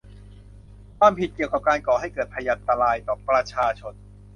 ความผิดเกี่ยวกับการก่อให้เกิดภยันตรายต่อประชาชน